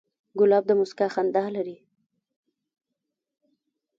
ګلاب د موسکا خندا لري.